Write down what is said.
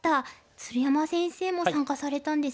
鶴山先生も参加されたんですよね。